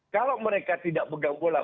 kalau mereka tidak pegang bola